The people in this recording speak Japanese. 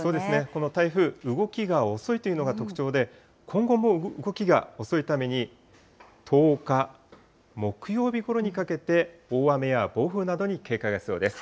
この台風、動きが遅いというのが特徴で、今後も動きが遅いために、１０日木曜日ごろにかけて、大雨や暴風などに警戒が必要です。